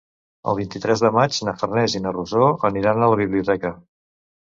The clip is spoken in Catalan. El vint-i-tres de maig na Farners i na Rosó aniran a la biblioteca.